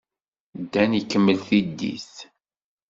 Dan ikemmel tiddit.